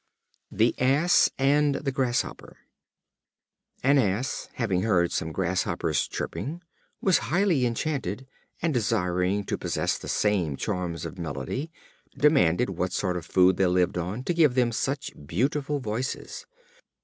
The Ass and the Grasshopper. An Ass, having heard some Grasshoppers chirping, was highly enchanted; and desiring to possess the same charms of melody, demanded what sort of food they lived on, to give them such beautiful voices.